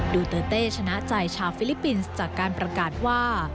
ดูเตอร์เต้ชนะใจชาวฟิลิปปินส์จากการประกาศว่า